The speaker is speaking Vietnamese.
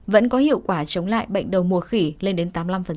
vẫn có hiệu quả chống lại bệnh đầu mùa khỉ lên đến tám mươi năm